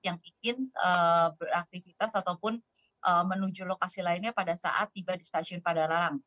mungkin beraktifitas ataupun menuju lokasi lainnya pada saat tiba di stasiun pada larang